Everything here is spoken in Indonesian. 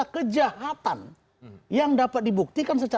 aku berantakan orang untuk cowok saya